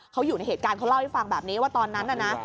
เขาอยู่ในเหตุการณ์เขาเล่าให้ฟังแบบนี้ว่าตอนนั้นน่ะนะ